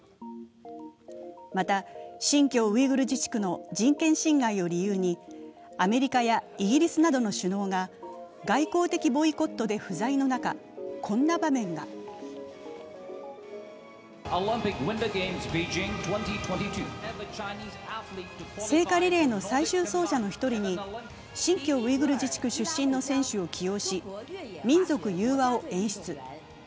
また、新疆ウイグル自治区の人権侵害を理由にアメリカやイギリスなどの首脳が外交的ボイコットで不在の中、こんな場面が聖火リレーの最終走者の１人に、新疆ウイグル自治区出身の選手を起用し、民族融和を演出。